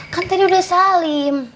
kan tadi udah salim